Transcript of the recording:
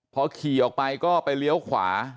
พอขี่ออกไปก็ไปเลี้ยวขวา